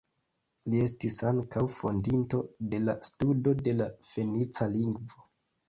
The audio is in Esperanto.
Li estis ankaŭ fondinto de la studo de la fenica lingvo.